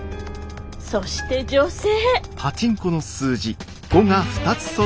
そして女性。